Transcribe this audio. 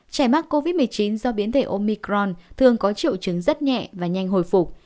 trẻ mắc covid một mươi chín do biến thể omicron thường có triệu chứng rất nhẹ và nhanh hồi phục